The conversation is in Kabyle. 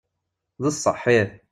D sseḥ ih.